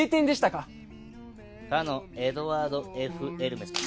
かのエドワード・Ｆ・エルメス。